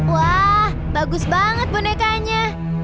wah bagus banget bonekanya